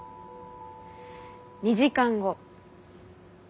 ２時間後。